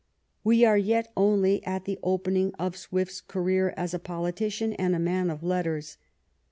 We are yet only at the opening of Swift's career as a politician and a man of letters.